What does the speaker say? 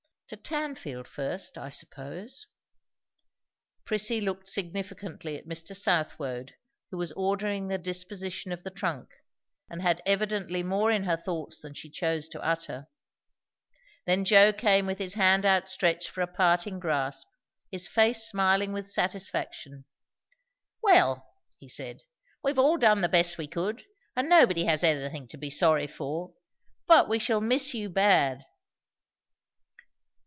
"To Tanfield first, I suppose." Prissy looked significantly at Mr. Southwode, who was ordering the disposition of the trunk, and had evidently more in her thoughts than she chose to utter. Then Joe came with his hand outstretched for a parting grasp, his face smiling with satisfaction. "Well," he said, "we've all done the best we could; and nobody has anything to be sorry for. But we shall miss you, bad!"